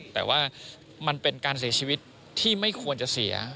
แต่ว่ามันเป็นการเสียชีวิตที่ไม่ควรจะเสีย